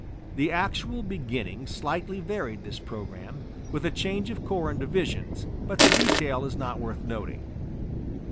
The actual beginning slightly varied this program, with a change of corps and divisions, but the detail is not worth noting.